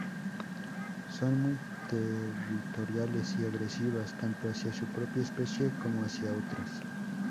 Son muy territoriales y agresivas, tanto hacia su propia especie como hacia otras.